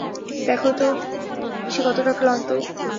দেখো সে কতটা ক্লান্ত।